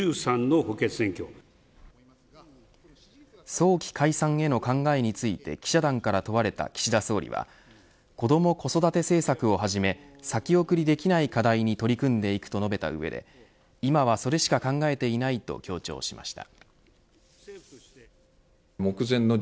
早期解散への考えについて記者団から問われた岸田総理は子ども子育て政策をはじめ先送りできない課題に取り組んでいくと述べた上で今はそれしか考えていないと強調しました。